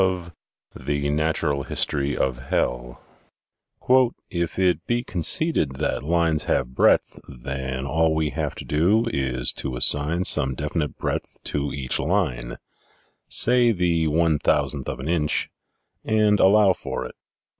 120 THE SEVEN FOLLIES OF SCIENCE "If it be conceded that lines have breadth, then all we have to do is to assign some definite breadth to each line say the one thousandth of an inch and allow for it.